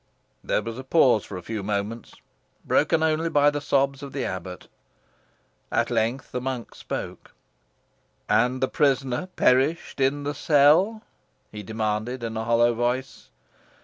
There was a pause for a few moments, broken only by the sobs of the abbot. At length, the monk spoke. "And the prisoner perished in the cell?" he demanded in a hollow voice.